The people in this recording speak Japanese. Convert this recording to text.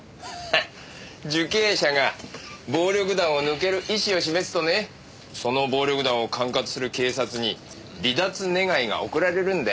ハハ受刑者が暴力団を抜ける意思を示すとねその暴力団を管轄する警察に離脱願が送られるんだよ。